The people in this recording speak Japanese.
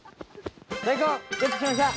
大根ゲットしました！